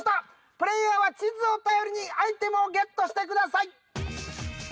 プレイヤーは地図を頼りにアイテムをゲットしてください。